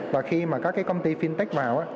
và khi mà các cái công ty fintech vào